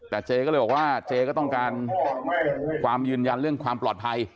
แต่เจก็เลยบอกว่าเจก็ต้องการความยืนยันเรื่องความปลอดภัย